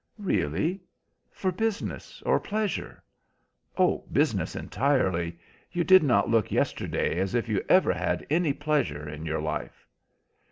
"Really? For business or pleasure?" "Oh, business, entirely. You did not look yesterday as if you ever had any pleasure in your life."